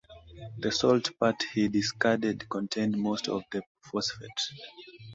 The salt part he discarded contained most of the phosphate.